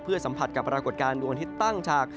เพื่อสัมผัสกับปรากฏการณ์ดวงที่ตั้งฉาก